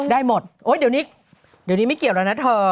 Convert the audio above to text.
ได้หมดโอ๊ยเดี๋ยวนี้ไม่เกี่ยวแล้วนะเธอ